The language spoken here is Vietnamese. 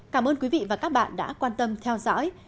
cảm ơn quý vị và các bạn đã quan tâm theo dõi